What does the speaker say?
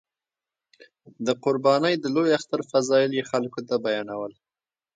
د قربانۍ د لوی اختر فضایل یې خلکو ته بیانول.